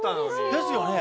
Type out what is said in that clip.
ですよね。